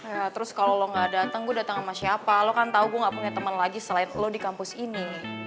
ya terus kalo lo gak dateng gue dateng sama siapa lo kan tau gue gak punya temen lagi selain lo di kampus ini